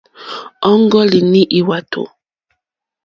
Ɔ́ŋɡɔ́línì lwàtò.